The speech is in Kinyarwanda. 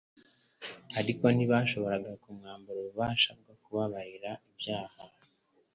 ariko ntibashobora kumwambura ububasha bwo kubabarira ibyaha.